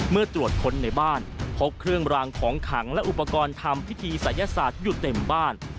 เมื่อตรวจค้นในบ้านพบเครื่องรางของขังและอุปกรณ์ทำพิธีศัยศาสตร์อยู่เต็มบ้าน